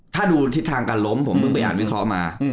ถ้าดูทิศทางการล้มผมเพิ่งไปอ่านวิเคราะห์มา